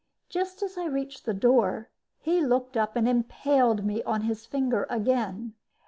Just as I reached the door, he looked up and impaled me on his finger again.